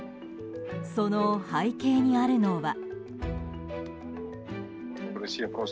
その背景にあるのは。